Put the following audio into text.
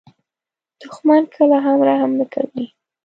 دښمن کله هم رحم نه کوي